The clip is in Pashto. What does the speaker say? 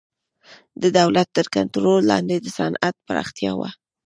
د دولت تر کنټرول لاندې د صنعت پراختیا وه